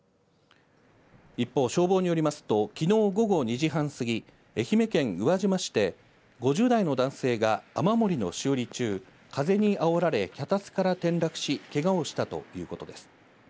一方、消防によりますと、きのう午後２時半過ぎ、愛媛県宇和島市で、５０代の男性が雨漏りの修理中、風にあおられ脚立から転落し、けがをしたということです。